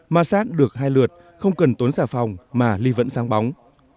masat được hai lượt không cần tốn xà phòng mà ly vẫn sang bóng